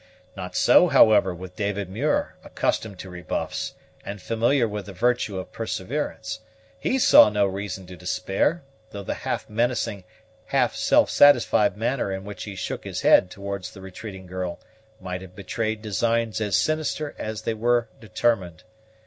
Not so, however, with David Muir; accustomed to rebuffs, and familiar with the virtue of perseverance, he saw no reason to despair, though the half menacing, half self satisfied manner in which he shook his head towards the retreating girl might have betrayed designs as sinister as they were determined.